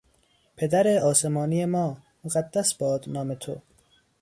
پدر آسمانی ما، مقدس باد نام تو!